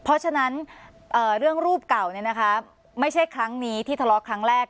เพราะฉะนั้นเรื่องรูปเก่าไม่ใช่ครั้งนี้ที่ทะเลาะครั้งแรก